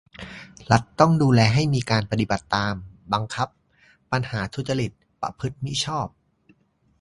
รัฐต้องดูแลให้มีการปฏิบัติตาม บังคับ ปัญหาทุจริต ประพฤติมิชอบ